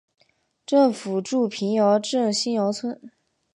政府驻瓶窑镇新窑村。